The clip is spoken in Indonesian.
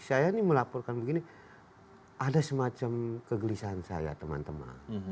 saya ini melaporkan begini ada semacam kegelisahan saya teman teman